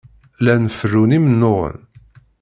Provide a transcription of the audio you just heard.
Llan ferrun imennuɣen.